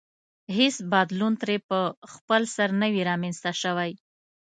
هېڅ بدلون ترې په خپلسر نه وي رامنځته شوی.